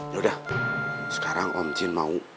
yaudah sekarang om jin mau